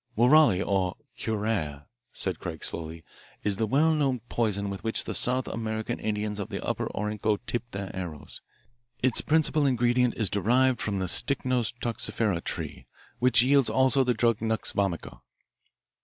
"Woorali, or curare," said Craig slowly, "is the well known poison with which the South American Indians of the upper Orinoco tip their arrows. Its principal ingredient is derived from the Strychnos toxifera tree, which yields also the drug nux vomica."